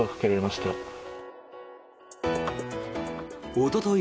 おととい